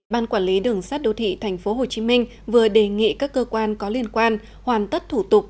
ban quản lý đường sát đô thị tp hcm vừa đề nghị các cơ quan có liên quan hoàn tất thủ tục